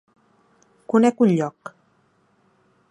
Conec un lloc.